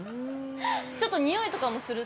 ◆ちょっとにおいとかもする。